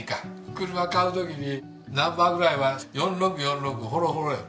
車買う時にナンバーぐらいは「４６４６」「ほろほろ」や。